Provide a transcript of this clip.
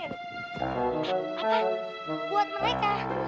apa buat mereka